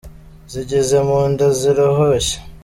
Zigeze mu nda zirohoshya.